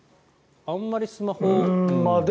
あまりスマホを。